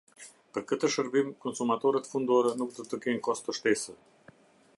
Për këtë shërbim konsumatorët fundorë nuk do të kenë kosto shtesë.